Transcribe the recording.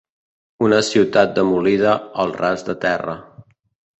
Una ciutat demolida al ras de terra.